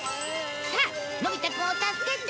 さあのび太くんを助けて！